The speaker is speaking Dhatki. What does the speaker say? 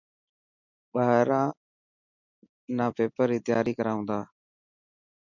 ٻاران نا پيپر ري تياري ڪرائون ٿا.